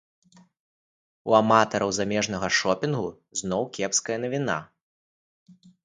У аматараў замежнага шопінгу зноў кепская навіна.